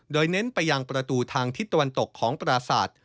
โดยเน้นไปยังประตูทางทิศตวรรณตกของประสาท